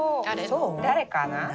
誰かな？